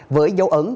với dấu ấn